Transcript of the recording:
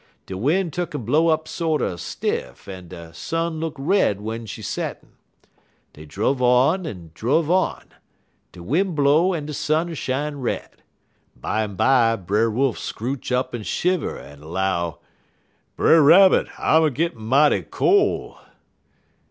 De win' tuck'n blow up sorter stiff, en de sun look red when she settin'. Dey druv on, en druv on. De win' blow, en de sun shine red. Bimeby, Brer Wolf scrooch up en shiver, en 'low: "'Brer Rabbit, I'm a gittin' mighty cole.'